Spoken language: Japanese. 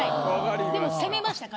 でも攻めましたかなり。